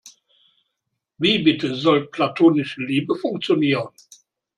Wie bitte soll platonische Liebe funktionieren?